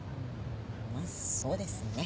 まっそうですね。